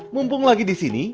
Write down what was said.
mumpung lagi disini